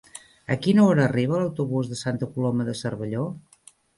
A quina hora arriba l'autobús de Santa Coloma de Cervelló?